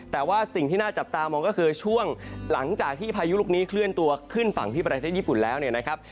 แต่ว่าสิ่งที่น่าจับตามองก็คือช่วงหลังจากที่พายุลูกนี้เคลื่อนตัวขึ้นฝั่งที่ประเทศญี่ปุ่นแล้วเนี่ยนะครับ